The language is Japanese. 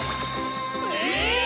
えっ⁉